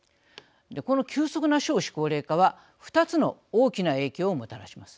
この急速な少子高齢化は２つの大きな影響をもたらします。